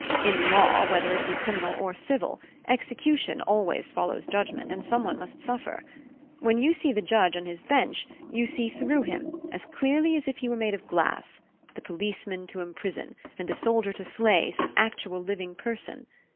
In law, whether it be criminal or civil, execution always follows judgment, and someone must suffer. When you see the judge on his bench, you see through him, as clearly as if he were made of glass, the policeman to emprison, and the soldier to slay some actual living person.